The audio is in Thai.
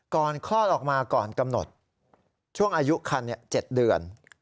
คลอดออกมาก่อนกำหนดช่วงอายุคัน๗เดือน